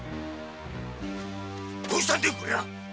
どうしたんでこりゃ？